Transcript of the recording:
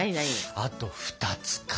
あと２つか。